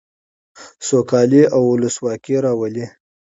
سوکالي او ولسواکي راولي.